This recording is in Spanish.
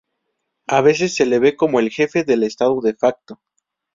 A veces se le ve como el jefe del Estado de facto.